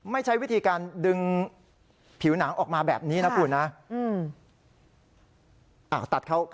ใช้วิธีการดึงผิวหนังออกมาแบบนี้นะคุณนะ